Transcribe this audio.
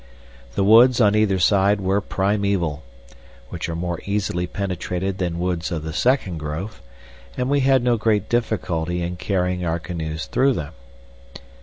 The woods on either side were primeval, which are more easily penetrated than woods of the second growth, and we had no great difficulty in carrying our canoes through them.